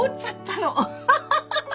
アハハハハ。